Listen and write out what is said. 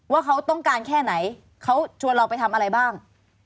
ว่าเขาต้องการแค่ไหนเขาชวนเราไปทำอะไรบ้าง